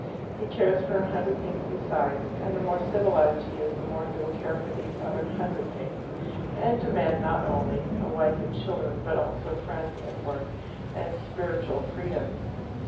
He cares for a hundred things besides, and the more civilized he is the more he will care for these other hundred things, and demand not only a wife and children, but also friends, and work, and spiritual freedom.